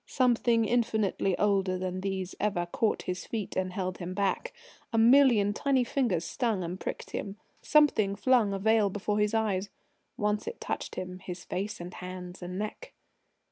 Something infinitely older than these ever caught his feet and held him back. A million tiny fingers stung and pricked him. Something flung a veil before his eyes. Once it touched him his face and hands and neck.